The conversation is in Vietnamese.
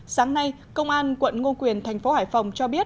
sáng nay công an quận ngô quyền thành phố hải phòng cho biết